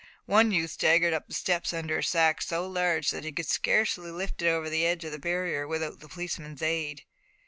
One youth staggered up the steps under a sack so large that he could scarcely lift it over the edge of the barrier without the policeman's aid.